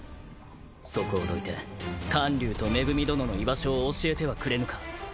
そこをどいて観柳と恵殿の居場所を教えてはくれぬか。